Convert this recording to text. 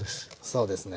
そうですね